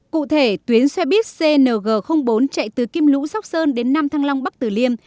cụ thể tuyến xe buýt cng bốn chạy từ kim lũ sóc sơn đến nam thăng long bắc tử liêm